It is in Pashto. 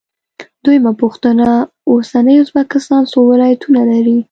دویمه پوښتنه: اوسنی ازبکستان څو ولایتونه لري؟